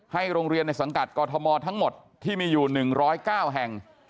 โรงเรียนในสังกัดกอทมทั้งหมดที่มีอยู่๑๐๙แห่ง